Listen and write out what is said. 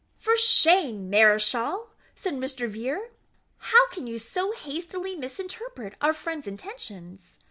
"For shame! Mareschal," said Mr. Vere, "how can you so hastily misinterpret our friend's intentions?